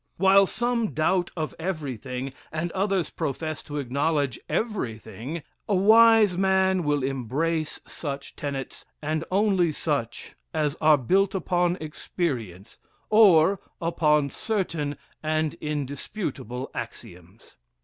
Whilst some doubt of everything, and others profess to acknowledge everything, a wise man will embrace such tenets, and only such as are built upon experience, or upon certain and indisputable axioms."